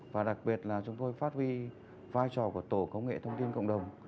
và đặc biệt là chúng tôi phát huy vai trò của tổ công nghệ thông tin cộng đồng